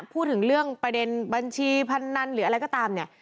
พูดถึงเรื่องประเด็นบัญชีพนันหรืออะไรก็ตามเนี่ย